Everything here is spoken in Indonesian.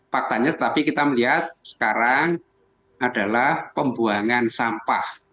faktanya tetapi kita melihat sekarang adalah pembuangan sampah